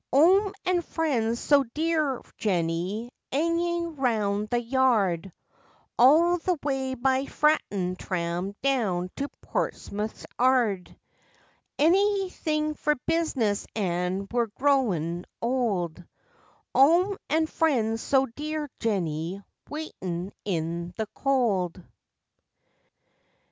_'Ome an' friends so dear, Jenny, 'angin' round the Yard, All the way by Fratton tram down to Portsmouth 'Ard; Anythin' for business, an' we're growin' old 'Ome an' friends so dear, Jenny, waitin' in the cold!